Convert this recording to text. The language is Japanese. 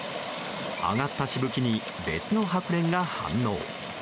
上がったしぶきに別のハクレンが反応。